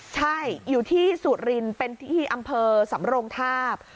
ใช่อยู่ที่สุรินเป็นที่อำเภอสำรงทาบ